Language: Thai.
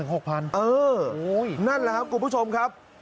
นั่นแหละครับคุณผู้ชมครับ